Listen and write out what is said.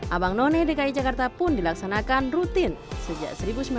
abang none dki jakarta pun dilaksanakan rutin sejak seribu sembilan ratus sembilan puluh